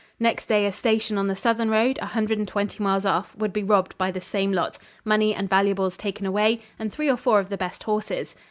Next day a station on the southern road, a hundred and twenty miles off, would be robbed by the same lot. Money and valuables taken away, and three or four of the best horses.